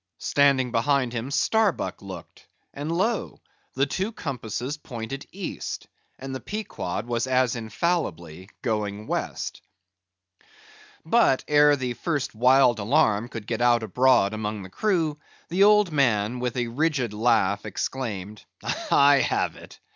Standing behind him Starbuck looked, and lo! the two compasses pointed East, and the Pequod was as infallibly going West. But ere the first wild alarm could get out abroad among the crew, the old man with a rigid laugh exclaimed, "I have it!